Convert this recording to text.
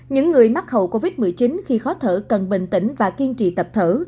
những người mắc hậu covid một mươi chín khi khó thở cần bình tĩnh và kiên trì tập thở